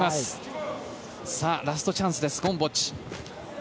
ラストチャンスですゴムボッチ。